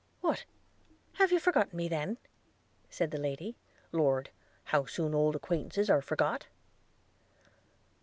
'What! have you forgot me then?' said the lady: 'Lord! How soon old acquaintances are forgot!'